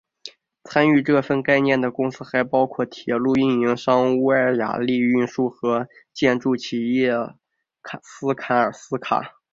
参与这项概念的公司还包括铁路运营商威立雅运输和建筑企业斯堪斯卡。